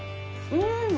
うん！